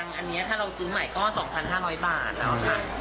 อันนี้ถ้าเราซื้อใหม่ก็๒๕๐๐บาทแล้วค่ะ